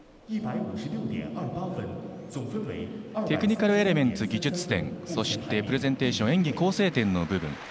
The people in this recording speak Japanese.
テクニカルエレメンツ、技術点そしてプレゼンテーション演技構成点の部分